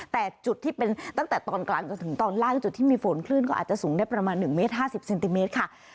แต่จุดที่เป็นตั้งแต่ตอนกลางจนถึงตอนล่างจุดที่มีฝนคลื่นก็อาจจะสูงได้ประมาณ๑เมตร๕๐เซนติเมตรค่ะ